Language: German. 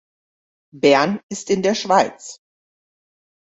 Bern ist in der Schweiz.